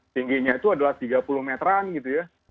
tingginya itu adalah tiga puluh meteran gitu ya